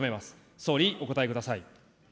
総理、お答えください。